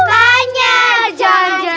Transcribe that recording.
makanya jangan jadi anak nakal